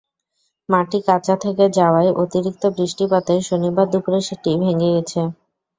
মাটি কাঁচা থেকে যাওয়ায় অতিরিক্ত বৃষ্টিপাতে শনিবার দুপুরে সেটি ভেঙে গেছে।